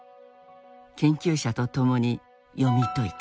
研究者と共に読み解いた。